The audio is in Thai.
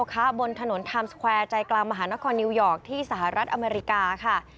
บนถนนไทม์สแควร์ใจกลางมหานครนิวยอร์กที่สหรัฐอเมริกาค่ะ